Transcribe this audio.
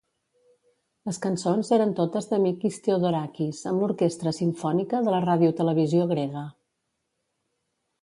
Les cançons eren totes de Mikis Theodorakis amb l'orquestra simfònica de la radiotelevisió grega.